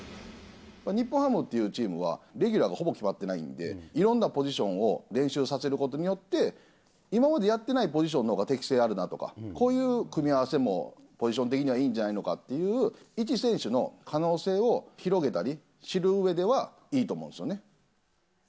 日本ハムっていうチームは、レギュラーがほぼ決まってないんで、いろんなポジションを練習させることによって、今までやってないポジションのほうが適性あるなとか、こういう組み合わせもポジション的にはいいんじゃないかっていう、一選手の可能性を広げたり、知るうえでは、いいと思うんですよね。